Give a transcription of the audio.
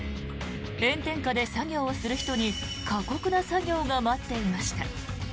炎天下で作業をする人に過酷な作業が待っていました。